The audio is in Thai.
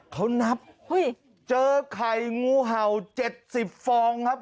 เขานับเจอไข่งูเห่า๗๐ฟองครับ